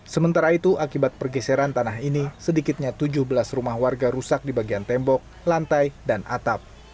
sementara itu akibat pergeseran tanah ini sedikitnya tujuh belas rumah warga rusak di bagian tembok lantai dan atap